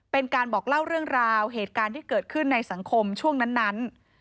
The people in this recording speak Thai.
เป็นการบอกเล่าเรื่องราวเหตุการณ์ที่เกิดขึ้นในสังคมช่วงนั้น